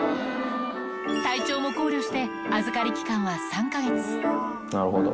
体調も考慮して、預かり期間は３なるほど。